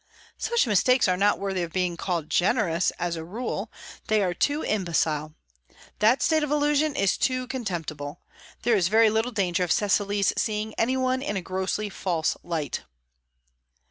"Such mistakes are not worthy of being called generous, as a rule. They are too imbecile. That state of illusion is too contemptible. There is very little danger of Cecily's seeing any one in a grossly false light."